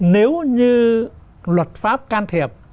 nếu như luật pháp can thiệp